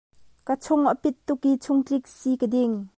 Ka chung a pit tuk i chungtlik si ka ding.